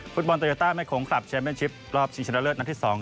ฟุตบอลโตเยอร์ต้าแม่ของคลับแชมเป็นชิปรอบชิงชนะเลิศนัดที่สอง